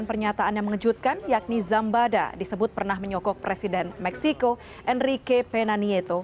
pertama sekali saya ingin menjawab pertanyaan